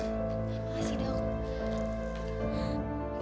terima kasih dok